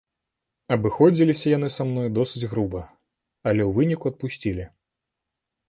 Абыходзіліся яны са мной досыць груба, але ў выніку адпусцілі.